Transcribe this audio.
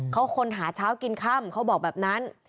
เขาคนหาเช้ากินค่ำเขาบอกแบบนั้น